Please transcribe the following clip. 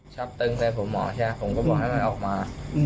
ชอบตึงใส่ผมเหมาะใช่ใช่ครับผมก็บอกให้มันออกมา